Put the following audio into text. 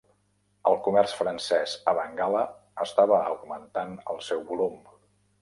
El comerç francés a Bengala estava augmentant el seu volum.